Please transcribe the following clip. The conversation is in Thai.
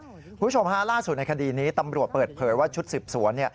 คุณผู้ชมฮะล่าสุดในคดีนี้ตำรวจเปิดเผยว่าชุดสืบสวน